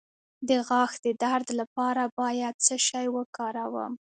د غاښ د درد لپاره باید څه شی وکاروم؟